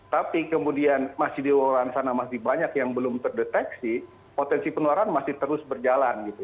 tapi kemudian masih di luar sana masih banyak yang belum terdeteksi potensi penularan masih terus berjalan gitu